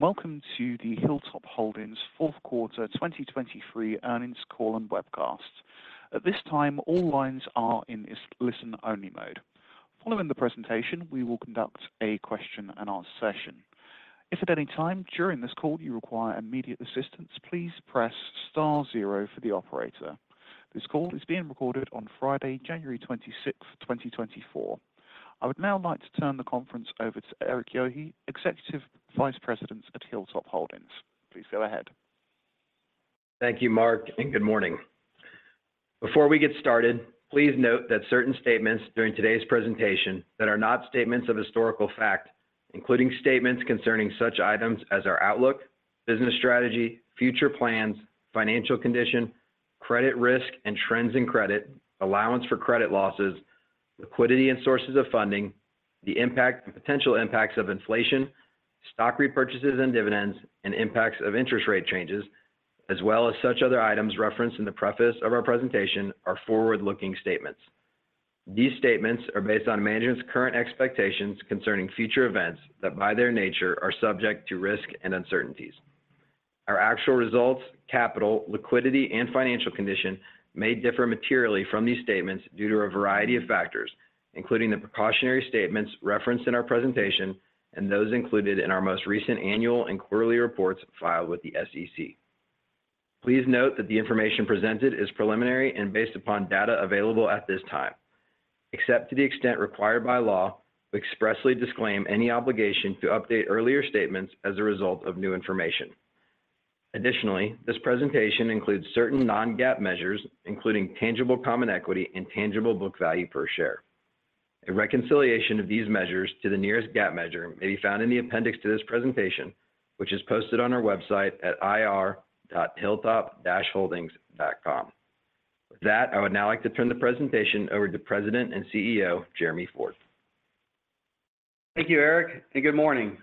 Welcome to the Hilltop Holdings fourth quarter 2023 Earnings Call and Webcast. At this time, all lines are in listen-only mode. Following the presentation, we will conduct a question and answer session. If at any time during this call you require immediate assistance, please press star zero for the operator. This call is being recorded on Friday, January twenty-sixth, 2024. I would now like to turn the conference over to Erik Yohe, Executive Vice President at Hilltop Holdings. Please go ahead. Thank you, Mark, and good morning. Before we get started, please note that certain statements during today's presentation that are not statements of historical fact, including statements concerning such items as our outlook, business strategy, future plans, financial condition, credit risk and trends in credit, allowance for credit losses, liquidity and sources of funding, the impact and potential impacts of inflation, stock repurchases and dividends, and impacts of interest rate changes, as well as such other items referenced in the preface of our presentation are forward-looking statements. These statements are based on management's current expectations concerning future events that, by their nature, are subject to risk and uncertainties. Our actual results, capital, liquidity, and financial condition may differ materially from these statements due to a variety of factors, including the precautionary statements referenced in our presentation and those included in our most recent annual and quarterly reports filed with the SEC. Please note that the information presented is preliminary and based upon data available at this time. Except to the extent required by law, we expressly disclaim any obligation to update earlier statements as a result of new information. Additionally, this presentation includes certain Non-GAAP measures, including tangible common equity and tangible book value per share. A reconciliation of these measures to the nearest GAAP measure may be found in the appendix to this presentation, which is posted on our website at ir.hilltop-holdings.com. With that, I would now like to turn the presentation over to President and CEO, Jeremy Ford. Thank you, Erik, and good morning.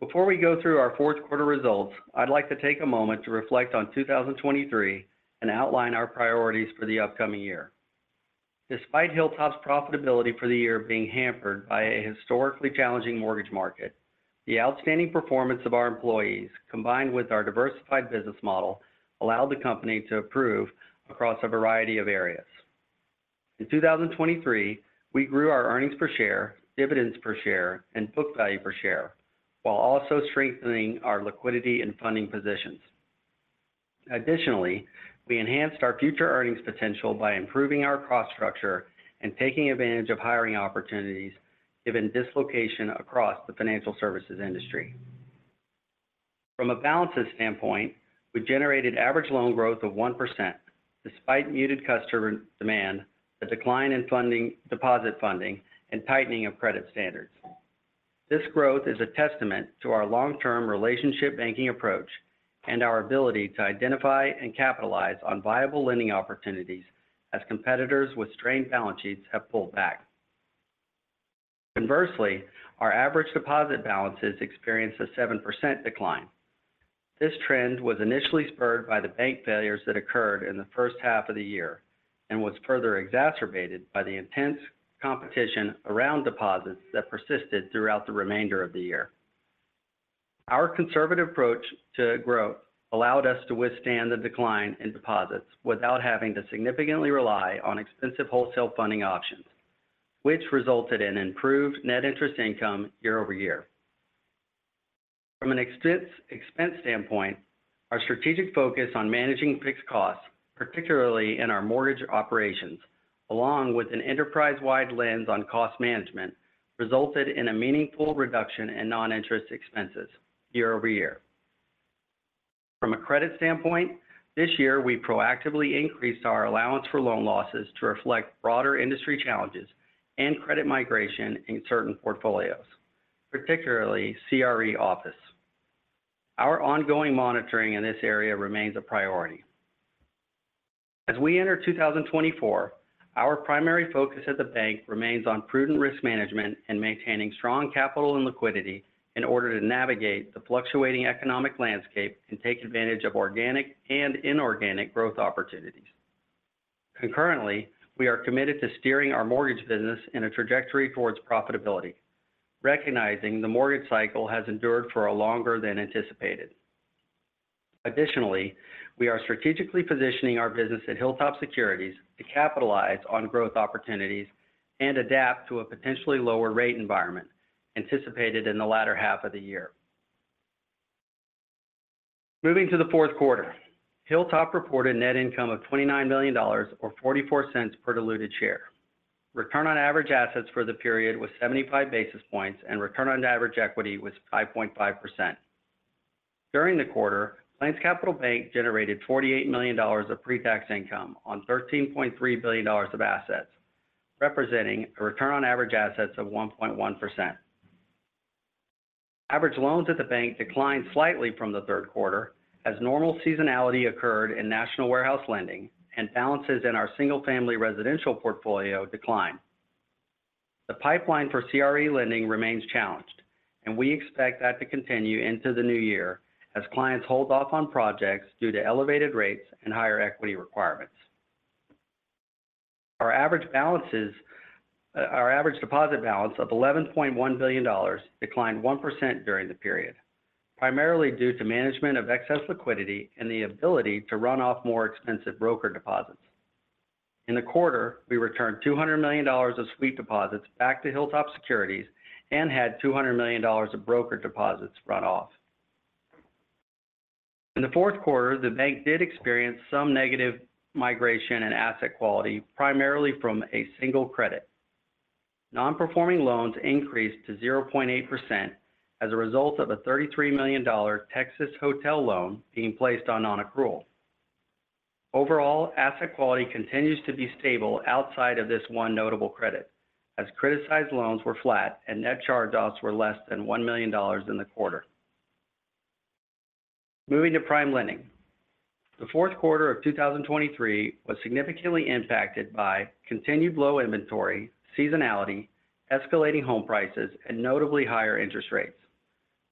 Before we go through our fourth quarter results, I'd like to take a moment to reflect on 2023 and outline our priorities for the upcoming year. Despite Hilltop's profitability for the year being hampered by a historically challenging mortgage market, the outstanding performance of our employees, combined with our diversified business model, allowed the company to improve across a variety of areas. In 2023, we grew our earnings per share, dividends per share, and book value per share, while also strengthening our liquidity and funding positions. Additionally, we enhanced our future earnings potential by improving our cost structure and taking advantage of hiring opportunities given dislocation across the financial services industry. From a balances standpoint, we generated average loan growth of 1% despite muted customer demand, a decline in deposit funding, and tightening of credit standards. This growth is a testament to our long-term relationship banking approach and our ability to identify and capitalize on viable lending opportunities as competitors with strained balance sheets have pulled back. Inversely, our average deposit balances experienced a 7% decline. This trend was initially spurred by the bank failures that occurred in the first half of the year and was further exacerbated by the intense competition around deposits that persisted throughout the remainder of the year. Our conservative approach to growth allowed us to withstand the decline in deposits without having to significantly rely on expensive wholesale funding options, which resulted in improved net interest income year-over-year. From an expense standpoint, our strategic focus on managing fixed costs, particularly in our mortgage operations, along with an enterprise-wide lens on cost management, resulted in a meaningful reduction in non-interest expenses year-over-year. From a credit standpoint, this year, we proactively increased our allowance for loan losses to reflect broader industry challenges and credit migration in certain portfolios, particularly CRE office. Our ongoing monitoring in this area remains a priority. As we enter 2024, our primary focus at the bank remains on prudent risk management and maintaining strong capital and liquidity in order to navigate the fluctuating economic landscape and take advantage of organic and inorganic growth opportunities. Concurrently, we are committed to steering our mortgage business in a trajectory towards profitability, recognizing the mortgage cycle has endured for a longer than anticipated. Additionally, we are strategically positioning our business at Hilltop Securities to capitalize on growth opportunities and adapt to a potentially lower rate environment anticipated in the latter half of the year. Moving to the fourth quarter, Hilltop reported net income of $29 million or $0.44 per diluted share. Return on average assets for the period was 75 basis points, and return on average equity was 5.5%. During the quarter, PlainsCapital Bank generated $48 million of pre-tax income on $13.3 billion of assets, representing a return on average assets of 1.1%. Average loans at the bank declined slightly from the third quarter as normal seasonality occurred in national warehouse lending, and balances in our single-family residential portfolio declined. The pipeline for CRE lending remains challenged, and we expect that to continue into the new year as clients hold off on projects due to elevated rates and higher equity requirements. Average balances, our average deposit balance of $11.1 billion declined 1% during the period, primarily due to management of excess liquidity and the ability to run off more expensive broker deposits. In the quarter, we returned $200 million of sweep deposits back to Hilltop Securities and had $200 million of broker deposits run off. In the fourth quarter, the bank did experience some negative migration and asset quality, primarily from a single credit. Non-performing loans increased to 0.8% as a result of a $33 million Texas hotel loan being placed on non-accrual. Overall, asset quality continues to be stable outside of this one notable credit, as criticized loans were flat and net charge-offs were less than $1 million in the quarter. Moving to PrimeLending. The fourth quarter of 2023 was significantly impacted by continued low inventory, seasonality, escalating home prices, and notably higher interest rates,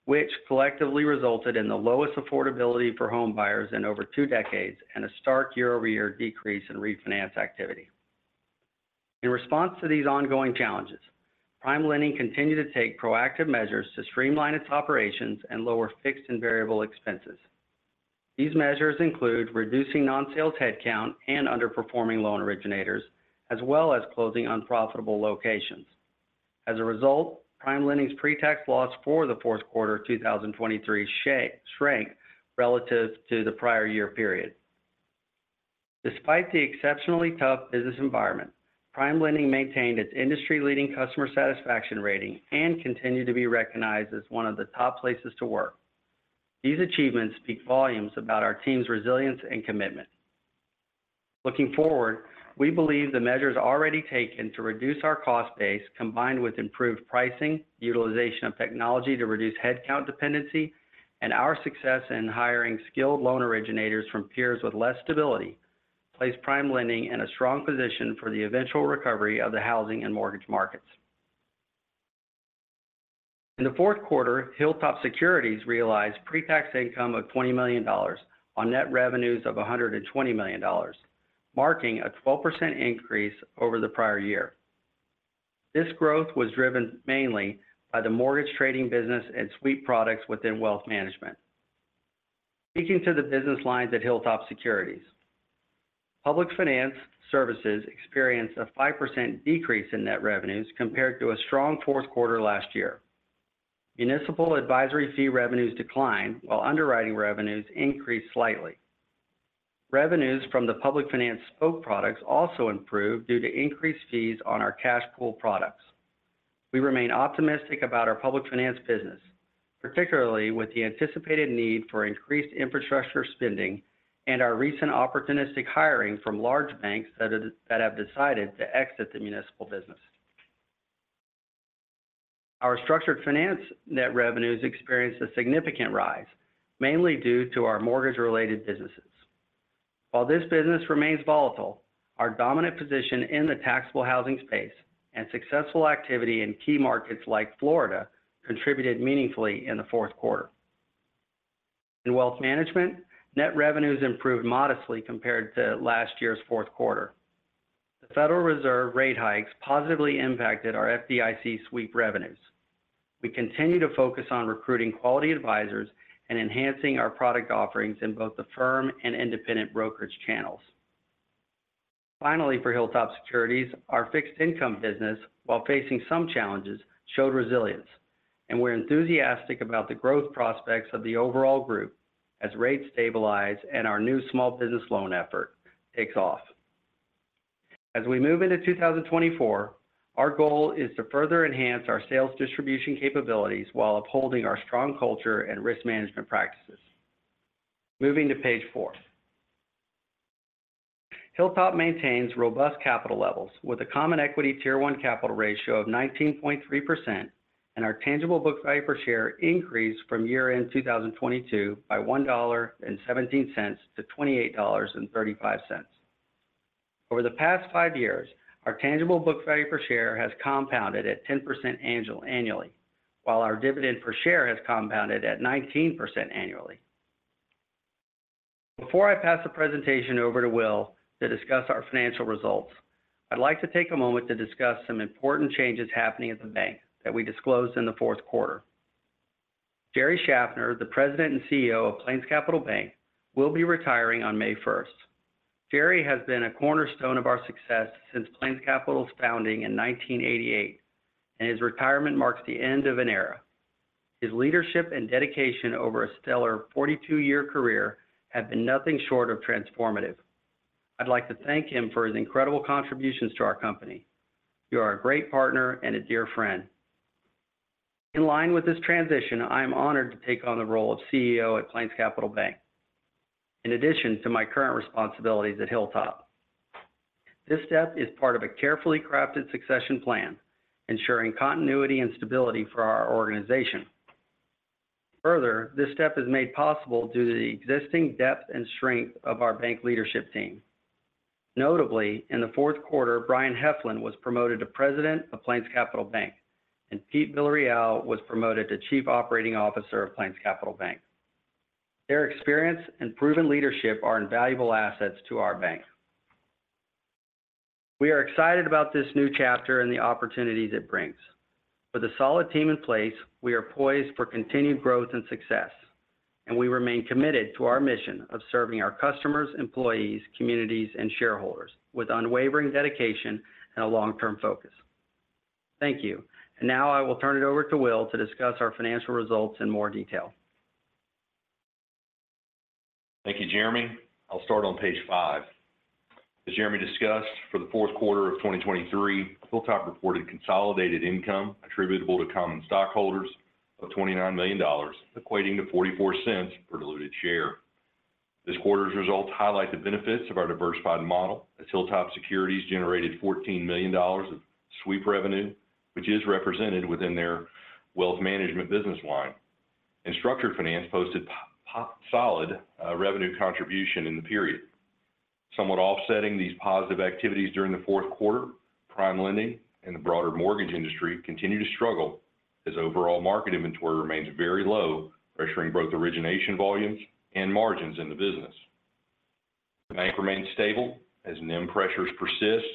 which collectively resulted in the lowest affordability for home buyers in over two decades and a stark year-over-year decrease in refinance activity. In response to these ongoing challenges, PrimeLending continued to take proactive measures to streamline its operations and lower fixed and variable expenses. These measures include reducing non-sales headcount and underperforming loan originators, as well as closing unprofitable locations. As a result, PrimeLending's pre-tax loss for the fourth quarter of 2023 shrank relative to the prior year period. Despite the exceptionally tough business environment, PrimeLending maintained its industry-leading customer satisfaction rating and continued to be recognized as one of the top places to work. These achievements speak volumes about our team's resilience and commitment. Looking forward, we believe the measures already taken to reduce our cost base, combined with improved pricing, utilization of technology to reduce headcount dependency, and our success in hiring skilled loan originators from peers with less stability, place PrimeLending in a strong position for the eventual recovery of the housing and mortgage markets. In the fourth quarter, Hilltop Securities realized pre-tax income of $20 million on net revenues of $120 million, marking a 12% increase over the prior year. This growth was driven mainly by the mortgage trading business and sweep products within wealth management. Speaking to the business lines at Hilltop Securities, Public Finance Services experienced a 5% decrease in net revenues compared to a strong fourth quarter last year. Municipal advisory fee revenues declined, while underwriting revenues increased slightly. Revenues from the public finance spoke products also improved due to increased fees on our cash pool products. We remain optimistic about our public finance business, particularly with the anticipated need for increased infrastructure spending and our recent opportunistic hiring from large banks that have decided to exit the municipal business. Our structured finance net revenues experienced a significant rise, mainly due to our mortgage-related businesses. While this business remains volatile, our dominant position in the taxable housing space and successful activity in key markets like Florida contributed meaningfully in the fourth quarter. In wealth management, net revenues improved modestly compared to last year's fourth quarter. The Federal Reserve rate hikes positively impacted our FDIC sweep revenues. We continue to focus on recruiting quality advisors and enhancing our product offerings in both the firm and independent brokerage channels. Finally, for Hilltop Securities, our fixed income business, while facing some challenges, showed resilience, and we're enthusiastic about the growth prospects of the overall group as rates stabilize and our new small business loan effort takes off. As we move into 2024, our goal is to further enhance our sales distribution capabilities while upholding our strong culture and risk management practices. Moving to page four. Hilltop maintains robust capital levels, with a Common Equity Tier 1 capital ratio of 19.3%, and our tangible book value per share increased from year-end 2022 by $1.17 to $28.35. Over the past five years, our tangible book value per share has compounded at 10% annually, while our dividend per share has compounded at 19% annually. Before I pass the presentation over to Will to discuss our financial results, I'd like to take a moment to discuss some important changes happening at the bank that we disclosed in the fourth quarter. Jerry Schaffner, the President and CEO of PlainsCapital Bank, will be retiring on May 1. Jerry has been a cornerstone of our success since PlainsCapital's founding in 1988, and his retirement marks the end of an era. His leadership and dedication over a stellar 42-year career have been nothing short of transformative. I'd like to thank him for his incredible contributions to our company. You are a great partner and a dear friend. In line with this transition, I am honored to take on the role of CEO at PlainsCapital Bank, in addition to my current responsibilities at Hilltop. This step is part of a carefully crafted succession plan, ensuring continuity and stability for our organization. Further, this step is made possible due to the existing depth and strength of our bank leadership team. Notably, in the fourth quarter, Brian Heflin was promoted to President of PlainsCapital Bank, and Pete Villarreal was promoted to Chief Operating Officer of PlainsCapital Bank.... Their experience and proven leadership are invaluable assets to our bank. We are excited about this new chapter and the opportunities it brings. With a solid team in place, we are poised for continued growth and success, and we remain committed to our mission of serving our customers, employees, communities, and shareholders with unwavering dedication and a long-term focus. Thank you. And now I will turn it over to Will to discuss our financial results in more detail. Thank you, Jeremy. I'll start on page five. As Jeremy discussed, for the fourth quarter of 2023, Hilltop reported consolidated income attributable to common stockholders of $29 million, equating to $0.44 per diluted share. This quarter's results highlight the benefits of our diversified model, as Hilltop Securities generated $14 million of sweep revenue, which is represented within their wealth management business line. Structured finance posted solid revenue contribution in the period. Somewhat offsetting these positive activities during the fourth quarter, PrimeLending and the broader mortgage industry continue to struggle as overall market inventory remains very low, pressuring both origination volumes and margins in the business. The bank remains stable as NIM pressures persist,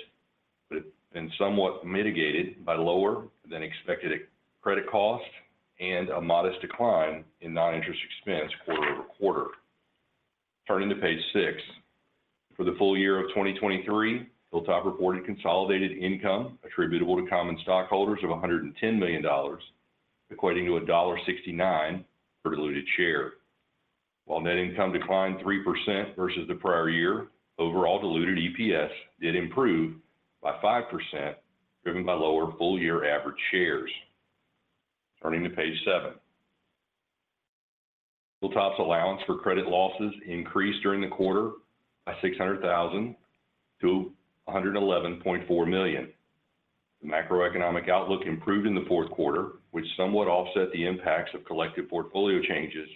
but it's been somewhat mitigated by lower-than-expected credit costs and a modest decline in non-interest expense quarter-over-quarter. Turning to page six. For the full year of 2023, Hilltop reported consolidated income attributable to common stockholders of $110 million, equating to $1.69 per diluted share. While net income declined 3% versus the prior year, overall diluted EPS did improve by 5%, driven by lower full-year average shares. Turning to page seven. Hilltop's allowance for credit losses increased during the quarter by $600,000 to $111.4 million. The macroeconomic outlook improved in the fourth quarter, which somewhat offset the impacts of collective portfolio changes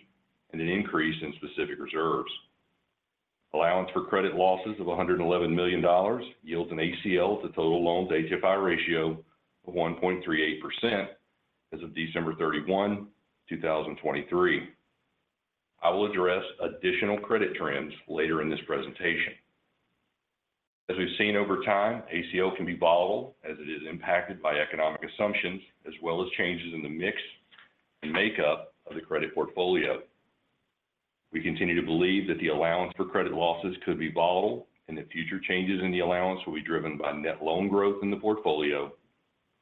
and an increase in specific reserves. Allowance for credit losses of $111 million yields an ACL to total loans HFI ratio of 1.38% as of December 31, 2023. I will address additional credit trends later in this presentation. As we've seen over time, ACL can be volatile as it is impacted by economic assumptions, as well as changes in the mix and makeup of the credit portfolio. We continue to believe that the allowance for credit losses could be volatile, and that future changes in the allowance will be driven by net loan growth in the portfolio,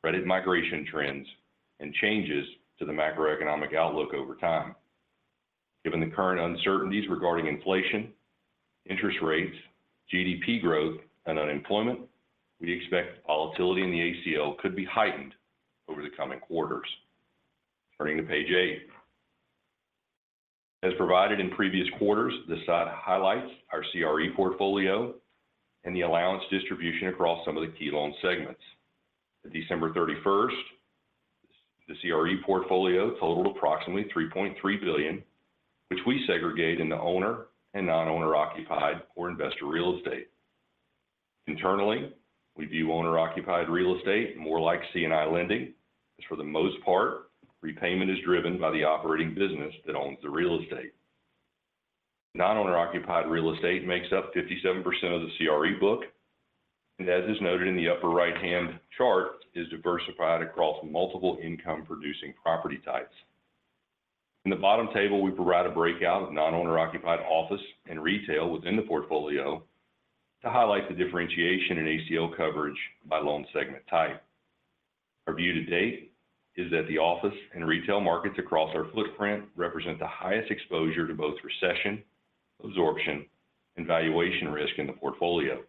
credit migration trends, and changes to the macroeconomic outlook over time. Given the current uncertainties regarding inflation, interest rates, GDP growth, and unemployment, we expect volatility in the ACL could be heightened over the coming quarters. Turning to page eight. As provided in previous quarters, this slide highlights our CRE portfolio and the allowance distribution across some of the key loan segments. On December thirty-first, the CRE portfolio totaled approximately $3.3 billion, which we segregate into owner and non-owner-occupied or investor real estate. Internally, we view owner-occupied real estate more like C&I lending, as for the most part, repayment is driven by the operating business that owns the real estate. Non-owner-occupied real estate makes up 57% of the CRE book, and as is noted in the upper right-hand chart, is diversified across multiple income-producing property types. In the bottom table, we provide a breakout of non-owner-occupied office and retail within the portfolio to highlight the differentiation in ACL coverage by loan segment type. Our view to date is that the office and retail markets across our footprint represent the highest exposure to both recession, absorption, and valuation risk in the portfolio.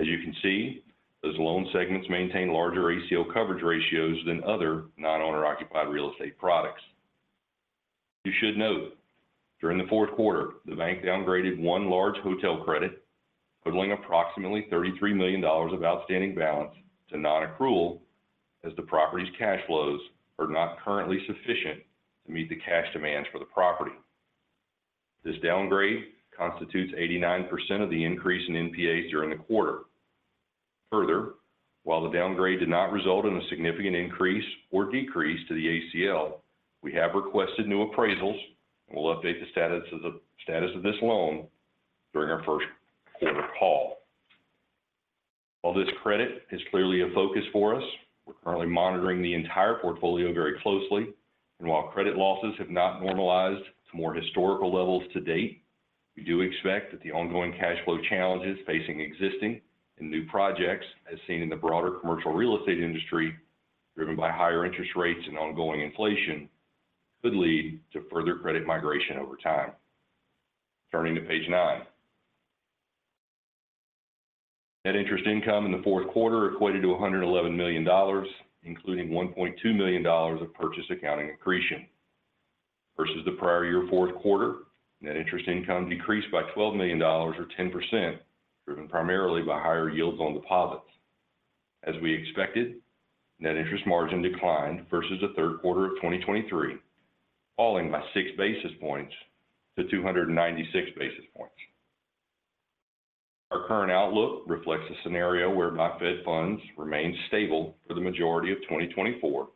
As you can see, those loan segments maintain larger ACL coverage ratios than other non-owner-occupied real estate products. You should note, during the fourth quarter, the bank downgraded 1 large hotel credit, totaling approximately $33 million of outstanding balance to non-accrual, as the property's cash flows are not currently sufficient to meet the cash demands for the property. This downgrade constitutes 89% of the increase in NPAs during the quarter. Further, while the downgrade did not result in a significant increase or decrease to the ACL, we have requested new appraisals and will update the status of this loan during our first quarter call. While this credit is clearly a focus for us, we're currently monitoring the entire portfolio very closely, and while credit losses have not normalized to more historical levels to date, we do expect that the ongoing cash flow challenges facing existing and new projects, as seen in the broader commercial real estate industry, driven by higher interest rates and ongoing inflation, could lead to further credit migration over time. Turning to page nine. Net interest income in the fourth quarter equated to $111 million, including $1.2 million of purchase accounting accretion. Versus the prior year fourth quarter, net interest income decreased by $12 million or 10%, driven primarily by higher yields on deposits. As we expected, net interest margin declined versus the third quarter of 2023, falling by 6 basis points to 296 basis points. Our current outlook reflects a scenario where the Fed Funds remains stable for the majority of 2024,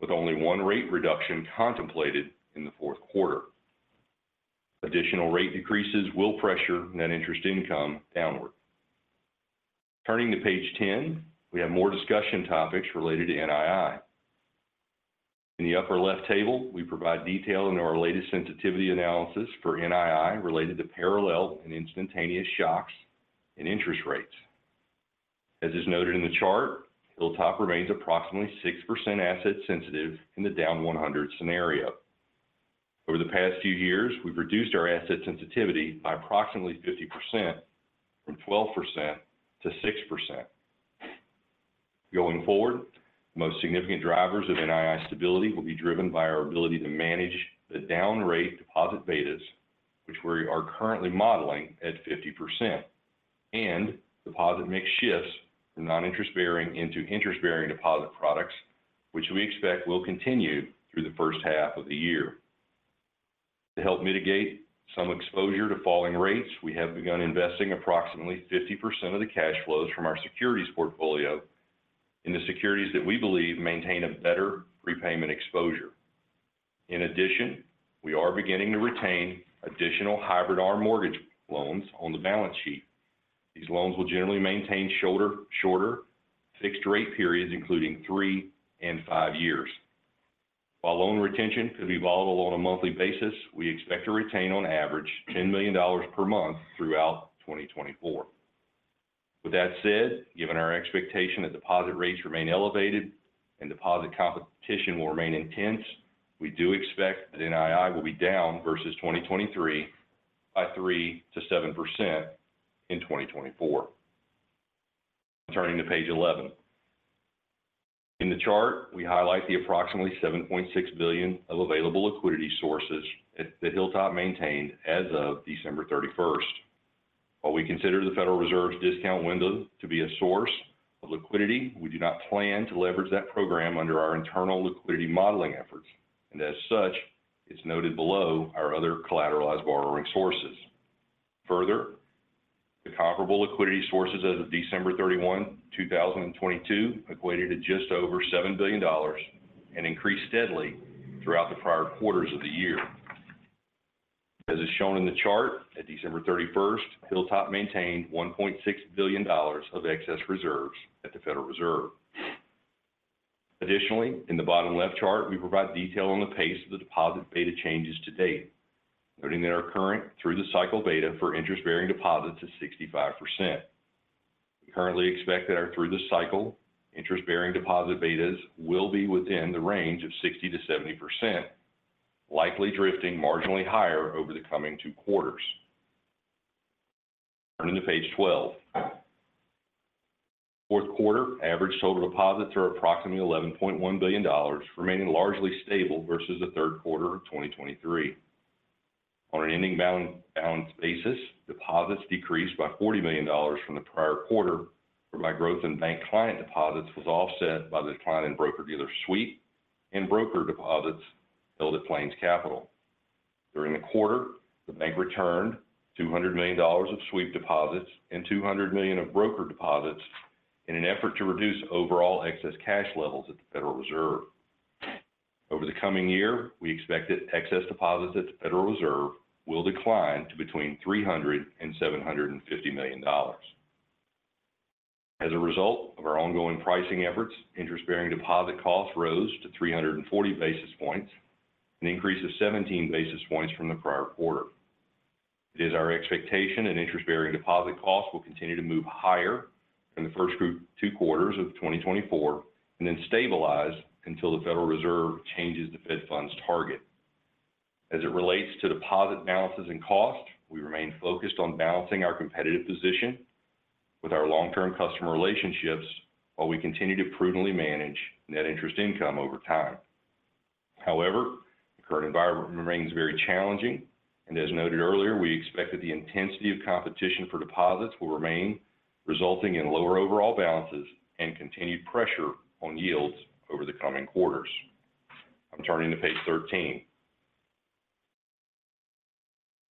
with only one rate reduction contemplated in the fourth quarter. Additional rate decreases will pressure net interest income downward. Turning to Page 10, we have more discussion topics related to NII. In the upper left table, we provide detail into our latest sensitivity analysis for NII related to parallel and instantaneous shocks in interest rates. As is noted in the chart, Hilltop remains approximately 6% asset sensitive in the down 100 scenario. Over the past few years, we've reduced our asset sensitivity by approximately 50%, from 12% to 6%. Going forward, the most significant drivers of NII stability will be driven by our ability to manage the down rate deposit betas, which we are currently modeling at 50%, and deposit mix shifts from non-interest bearing into interest-bearing deposit products, which we expect will continue through the first half of the year. To help mitigate some exposure to falling rates, we have begun investing approximately 50% of the cash flows from our securities portfolio in the securities that we believe maintain a better prepayment exposure. In addition, we are beginning to retain additional hybrid ARM mortgage loans on the balance sheet. These loans will generally maintain shorter, fixed-rate periods, including 3 and 5 years. While loan retention could be volatile on a monthly basis, we expect to retain on average $10 million per month throughout 2024. With that said, given our expectation that deposit rates remain elevated and deposit competition will remain intense, we do expect that NII will be down versus 2023 by 3%-7% in 2024. Turning to Page 11. In the chart, we highlight the approximately $7.6 billion of available liquidity sources that Hilltop maintained as of December 31. While we consider the Federal Reserve's discount window to be a source of liquidity, we do not plan to leverage that program under our internal liquidity modeling efforts, and as such, it's noted below our other collateralized borrowing sources. Further, the comparable liquidity sources as of December 31, 2022, equated to just over $7 billion and increased steadily throughout the prior quarters of the year. As is shown in the chart, at December 31, Hilltop maintained $1.6 billion of excess reserves at the Federal Reserve. Additionally, in the bottom left chart, we provide detail on the pace of the deposit beta changes to date, noting that our current through-the-cycle beta for interest-bearing deposits is 65%. We currently expect that our through-the-cycle interest-bearing deposit betas will be within the range of 60%-70%, likely drifting marginally higher over the coming two quarters. Turning to Page 12. fourth quarter average total deposits are approximately $11.1 billion, remaining largely stable versus the third quarter of 2023. On an ending balance, balance basis, deposits decreased by $40 million from the prior quarter, whereby growth in bank client deposits was offset by the decline in broker-dealer sweep and broker deposits held at PlainsCapital. During the quarter, the bank returned $200 million of sweep deposits and $200 million of broker deposits in an effort to reduce overall excess cash levels at the Federal Reserve. Over the coming year, we expect that excess deposits at the Federal Reserve will decline to between $300 million and $750 million. As a result of our ongoing pricing efforts, interest-bearing deposit costs rose to 340 basis points, an increase of 17 basis points from the prior quarter. It is our expectation that interest-bearing deposit costs will continue to move higher in the first two quarters of 2024 and then stabilize until the Federal Reserve changes the Fed Funds target. As it relates to deposit balances and costs, we remain focused on balancing our competitive position with our long-term customer relationships, while we continue to prudently manage net interest income over time. However, the current environment remains very challenging, and as noted earlier, we expect that the intensity of competition for deposits will remain, resulting in lower overall balances and continued pressure on yields over the coming quarters. I'm turning to Page 13.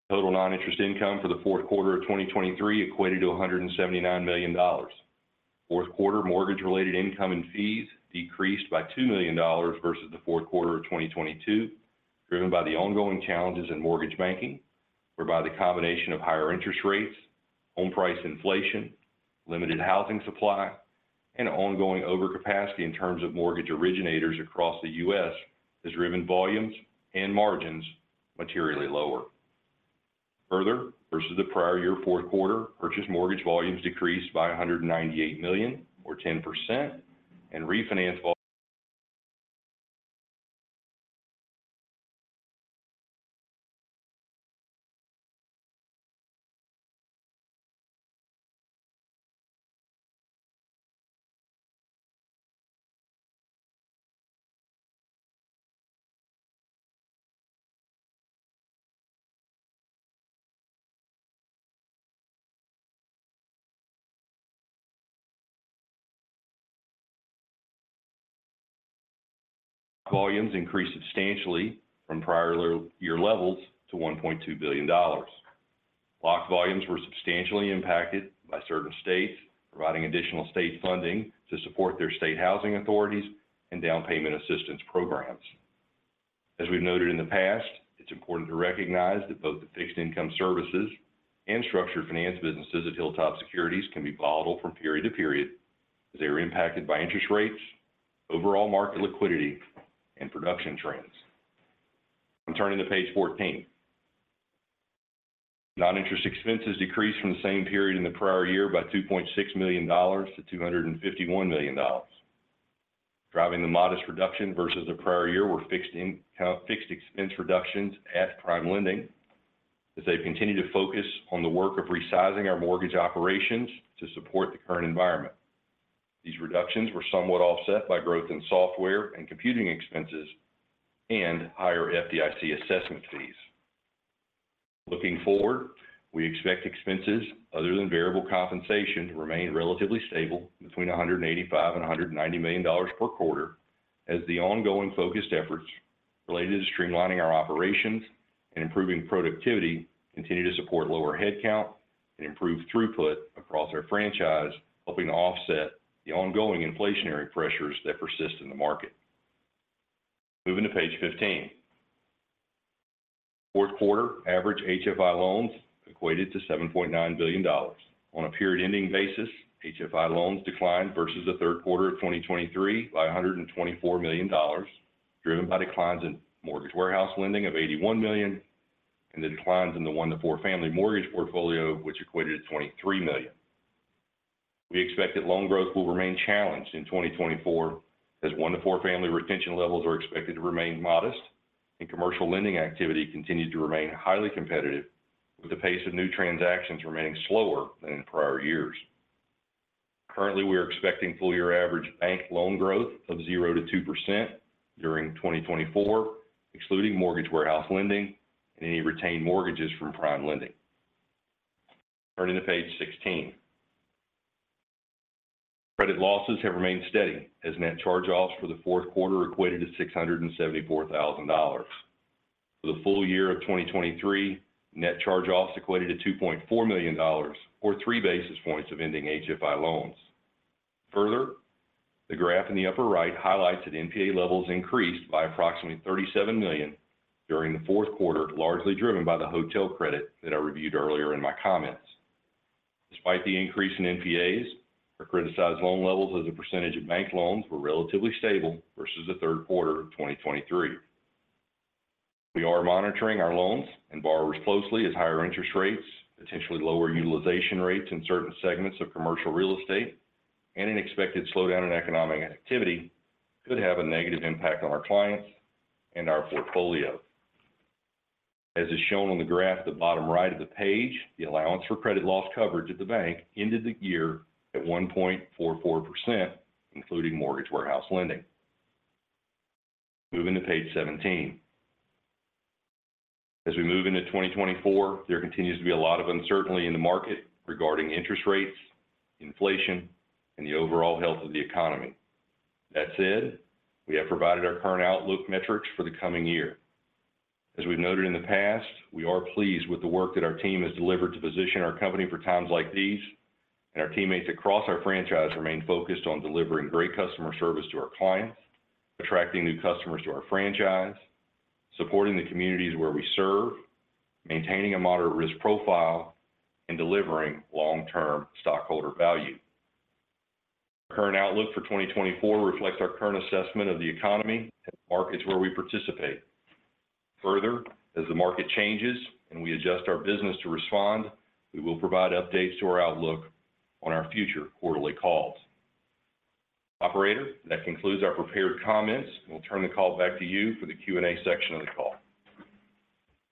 Total non-interest income for the fourth quarter of 2023 equated to $179 million. fourth quarter mortgage-related income and fees decreased by $2 million versus the fourth quarter of 2022, driven by the ongoing challenges in mortgage banking, whereby the combination of higher interest rates, home price inflation, limited housing supply, and ongoing overcapacity in terms of mortgage originators across the U.S. has driven volumes and margins materially lower. Further, versus the prior year fourth quarter, purchase mortgage volumes decreased by $198 million, or 10%, and refinance volumes increased substantially from prior year levels to $1.2 billion. Lock volumes were substantially impacted by certain states providing additional state funding to support their state housing authorities and down payment assistance programs. As we've noted in the past, it's important to recognize that both the fixed income services and structured finance businesses at Hilltop Securities can be volatile from period to period, as they are impacted by interest rates, overall market liquidity, and production trends. I'm turning to Page 14. Non-interest expenses decreased from the same period in the prior year by $2.6 million to $251 million. Driving the modest reduction versus the prior year were fixed expense reductions at PrimeLending, as they've continued to focus on the work of resizing our mortgage operations to support the current environment. These reductions were somewhat offset by growth in software and computing expenses and higher FDIC assessment fees. Looking forward, we expect expenses other than variable compensation to remain relatively stable between $185 million and $190 million per quarter, as the ongoing focused efforts related to streamlining our operations and improving productivity continue to support lower headcount and improve throughput across our franchise, helping to offset the ongoing inflationary pressures that persist in the market. Moving to Page 15. fourth quarter average HFI loans equated to $7.9 billion. On a period-ending basis, HFI loans declined versus the third quarter of 2023 by $124 million, driven by declines in mortgage warehouse lending of $81 million and the declines in the one to four family mortgage portfolio, which equated to $23 million. We expect that loan growth will remain challenged in 2024, as one to four family retention levels are expected to remain modest, and commercial lending activity continues to remain highly competitive, with the pace of new transactions remaining slower than in prior years. Currently, we are expecting full year average bank loan growth of 0%-2% during 2024, excluding mortgage warehouse lending and any retained mortgages from PrimeLending. Turning to Page 16. Credit losses have remained steady as net charge-offs for the fourth quarter equated to $674,000. For the full year of 2023, net charge-offs equated to $2.4 million or 3 basis points of ending HFI loans. Further, the graph in the upper right highlights that NPA levels increased by approximately $37 million during the fourth quarter, largely driven by the hotel credit that I reviewed earlier in my comments. Despite the increase in NPAs, our criticized loan levels as a percentage of bank loans were relatively stable versus the third quarter of 2023. We are monitoring our loans and borrowers closely as higher interest rates, potentially lower utilization rates in certain segments of commercial real estate, and an expected slowdown in economic activity could have a negative impact on our clients and our portfolio. As is shown on the graph at the bottom right of the page, the allowance for credit losses coverage at the bank ended the year at 1.44%, including mortgage warehouse lending. Moving to Page 17. As we move into 2024, there continues to be a lot of uncertainty in the market regarding interest rates, inflation, and the overall health of the economy. That said, we have provided our current outlook metrics for the coming year. As we've noted in the past, we are pleased with the work that our team has delivered to position our company for times like these, and our teammates across our franchise remain focused on delivering great customer service to our clients, attracting new customers to our franchise, supporting the communities where we serve, maintaining a moderate risk profile, and delivering long-term stockholder value. Our current outlook for 2024 reflects our current assessment of the economy and markets where we participate. Further, as the market changes and we adjust our business to respond, we will provide updates to our outlook on our future quarterly calls. Operator, that concludes our prepared comments. We'll turn the call back to you for the Q&A section of the call.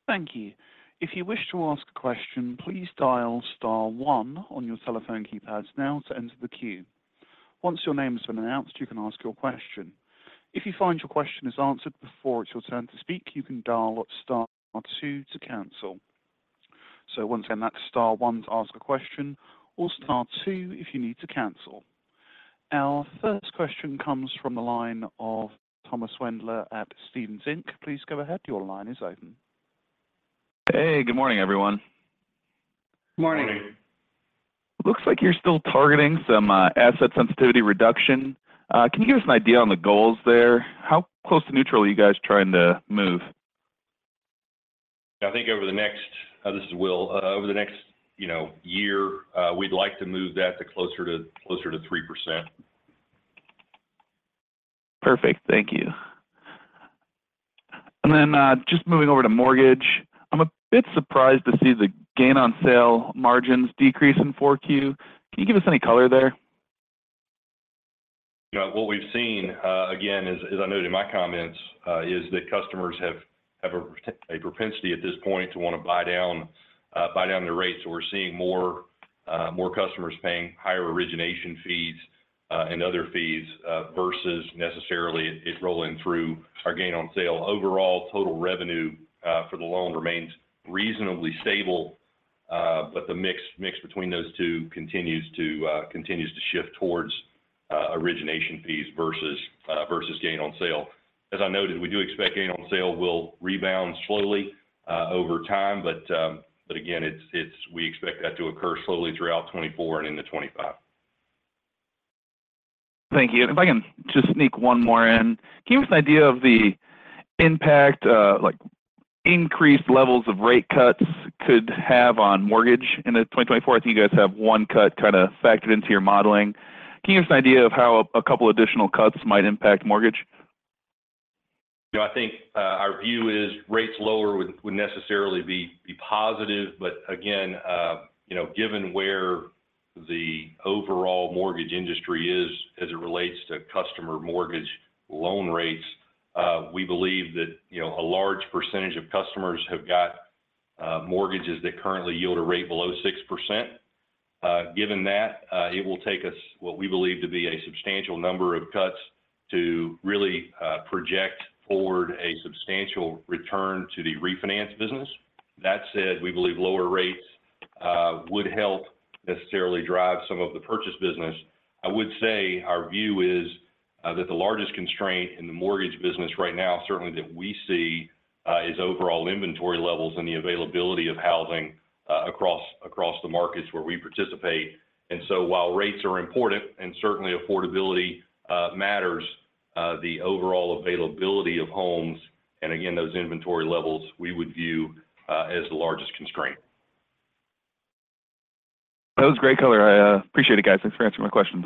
Thank you. If you wish to ask a question, please dial star one on your telephone keypads now to enter the queue. Once your name has been announced, you can ask your question. If you find your question is answered before it's your turn to speak, you can dial star two to cancel. So once again, that's star one to ask a question or star two if you need to cancel. Our first question comes from the line of Thomas Wendler at Stephens Inc. Please go ahead. Your line is open. Hey, good morning, everyone. Good morning. Good morning. Looks like you're still targeting some asset sensitivity reduction. Can you give us an idea on the goals there? How close to neutral are you guys trying to move? I think over the next... This is Will. Over the next, you know, year, we'd like to move that to closer to, closer to 3%. Perfect. Thank you. And then, just moving over to mortgage, I'm a bit surprised to see the gain on sale margins decrease in fourth quarter. Can you give us any color there? You know, what we've seen, again, as, as I noted in my comments, is that customers have, have a, a propensity at this point to want to buy down, buy down their rates. So we're seeing more, more customers paying higher origination fees, and other fees, versus necessarily it rolling through our gain on sale. Overall, total revenue, for the loan remains reasonably stable. But the mix, mix between those two continues to, continues to shift towards, origination fees versus, versus gain on sale. As I noted, we do expect gain on sale will rebound slowly, over time, but, but again, it's, it's- we expect that to occur slowly throughout 2024 and into 2025. Thank you. If I can just sneak one more in. Can you give us an idea of the impact, like, increased levels of rate cuts could have on mortgage in the 2024? I think you guys have one cut kind of factored into your modeling. Can you give us an idea of how a couple additional cuts might impact mortgage? You know, I think, our view is rates lower would necessarily be positive, but again, you know, given where the overall mortgage industry is as it relates to customer mortgage loan rates, we believe that, you know, a large percentage of customers have got mortgages that currently yield a rate below 6%. Given that, it will take us what we believe to be a substantial number of cuts to really project forward a substantial return to the refinance business. That said, we believe lower rates would help necessarily drive some of the purchase business. I would say our view is that the largest constraint in the mortgage business right now, certainly that we see, is overall inventory levels and the availability of housing across the markets where we participate. And so while rates are important, and certainly affordability matters, the overall availability of homes, and again, those inventory levels, we would view as the largest constraint. That was great color. I appreciate it, guys. Thanks for answering my questions.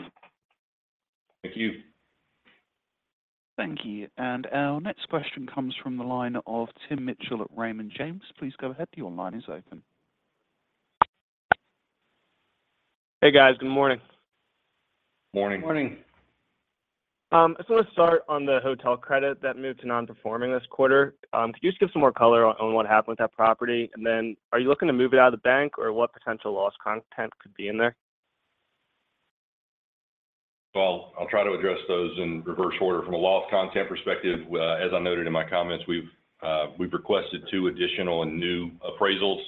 Thank you. Thank you. And our next question comes from the line of Tim Mitchell at Raymond James. Please go ahead. Your line is open. Hey, guys. Good morning. Morning. Morning. I just want to start on the hotel credit that moved to non-performing this quarter. Could you just give some more color on what happened with that property? And then are you looking to move it out of the bank, or what potential loss content could be in there? Well, I'll try to address those in reverse order. From a loss content perspective, as I noted in my comments, we've requested 2 additional and new appraisals.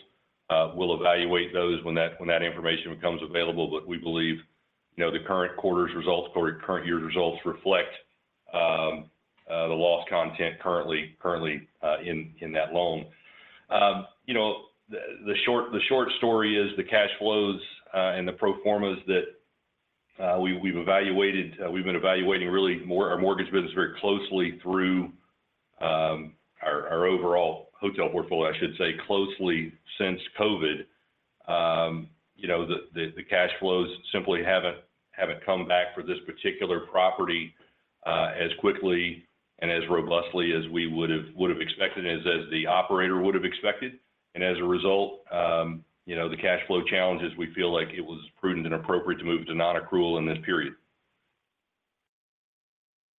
We'll evaluate those when that information becomes available, but we believe, you know, the current quarter's results or current year's results reflect the loss content currently in that loan. You know, the short story is the cash flows and the pro formas that we've been evaluating really more our mortgage business very closely through our overall hotel portfolio, I should say, closely since COVID. You know, the cash flows simply haven't come back for this particular property as quickly and as robustly as we would've expected as the operator would've expected. As a result, you know, the cash flow challenges, we feel like it was prudent and appropriate to move to non-accrual in this period.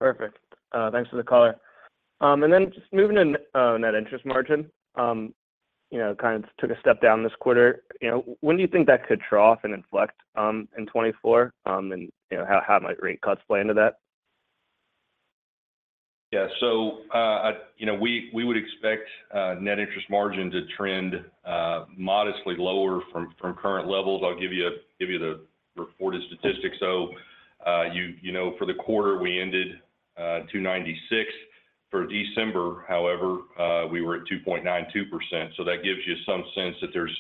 Perfect. Thanks for the color. And then just moving in, net interest margin, you know, kind of took a step down this quarter. You know, when do you think that could trough and inflect in 2024? And, you know, how might rate cuts play into that? Yeah. So, you know, we would expect net interest margin to trend modestly lower from current levels. I'll give you the reported statistics. So, you know, for the quarter, we ended 2.96. For December, however, we were at 2.92%. So that gives you some sense that there's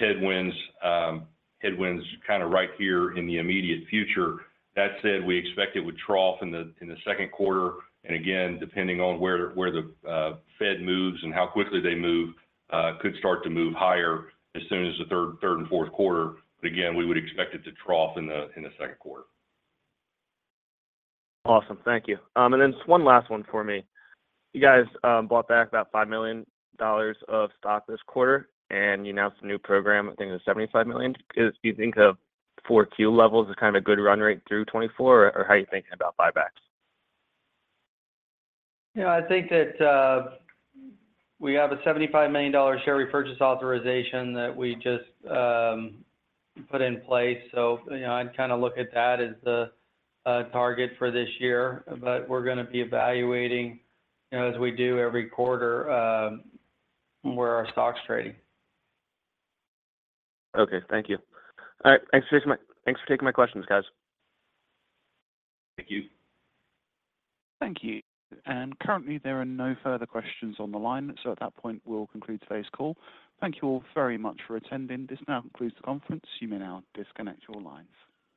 headwinds kind of right here in the immediate future. That said, we expect it would trough in the second quarter, and again, depending on where the Fed moves and how quickly they move, could start to move higher as soon as the third and fourth quarter. But again, we would expect it to trough in the second quarter. Awesome. Thank you. And then just one last one for me. You guys bought back about $5 million of stock this quarter, and you announced a new program, I think, of $75 million. Do you think of fourth quarter levels as kind of a good run rate through 2024, or how are you thinking about buybacks? You know, I think that we have a $75 million share repurchase authorization that we just put in place. So, you know, I'd kind of look at that as the target for this year. But we're going to be evaluating, you know, as we do every quarter, where our stock's trading. Okay, thank you. All right, thanks for taking my questions, guys. Thank you. Thank you. Currently, there are no further questions on the line, so at that point, we'll conclude today's call. Thank you all very much for attending. This now concludes the conference. You may now disconnect your lines.